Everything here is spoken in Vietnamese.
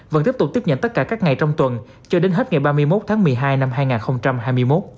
vẫn tiếp tục tiếp nhận tất cả các ngày trong tuần cho đến hết ngày ba mươi một tháng một mươi hai năm hai nghìn hai mươi một